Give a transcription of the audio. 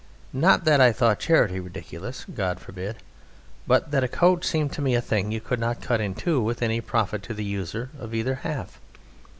Not that I thought charity ridiculous God forbid! but that a coat seemed to me a thing you could not cut in two with any profit to the user of either half.